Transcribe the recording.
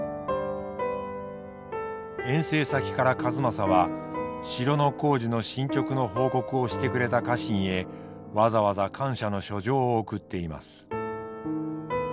遠征先から数正は城の工事の進捗の報告をしてくれた家臣へわざわざ感謝の書状を送っています。